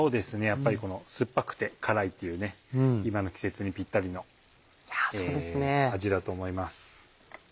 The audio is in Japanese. やっぱり酸っぱくて辛いっていう今の季節にピッタリの味だと思います。